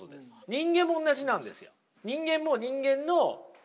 人間もおんなじなんですよ。